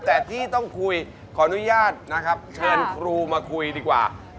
แต่ที่ต้องคุยขออนุญาตนะครับเชิญครูมาคุยดีกว่า